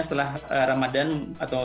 setelah ramadan atau